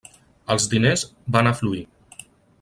Els diners van afluir.